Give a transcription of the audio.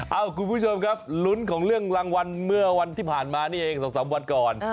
คุณผู้ชมครับลุ้นของเรื่องรางวัลเมื่อวันที่ผ่านมานี่เอง๒๓วันก่อน